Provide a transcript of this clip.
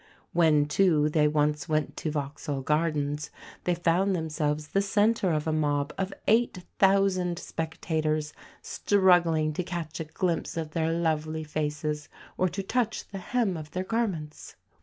When, too, they once went to Vauxhall Gardens, they found themselves the centre of a mob of eight thousand spectators, struggling to catch a glimpse of their lovely faces or to touch the "hem of their garments."